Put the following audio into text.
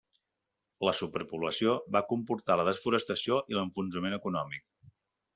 La superpoblació va comportar la desforestació i l'enfonsament econòmic.